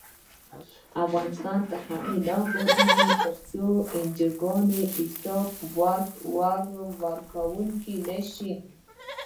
افغانستان تر هغو نه ابادیږي، ترڅو انجوګانې حساب ورکوونکې نشي.